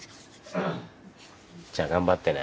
じゃあ頑張ってね。